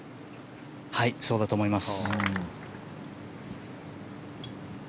そうだと思います。